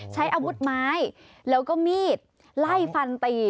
ใช้อาวุธไม้แล้วก็มีดไล่ฟันตี